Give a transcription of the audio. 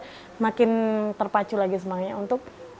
semakin terpacu lagi semangatnya untuk